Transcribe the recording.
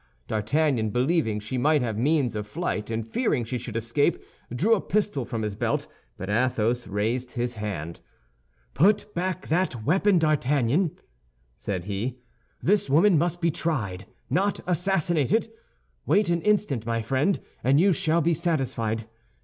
D'Artagnan, believing she might have means of flight and fearing she should escape, drew a pistol from his belt; but Athos raised his hand. "Put back that weapon, D'Artagnan!" said he; "this woman must be tried, not assassinated. Wait an instant, my friend, and you shall be satisfied.